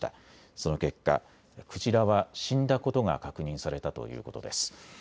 その結果、クジラは死んだことが確認されたということです。